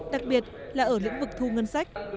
đặc biệt là ở lĩnh vực thu ngân sách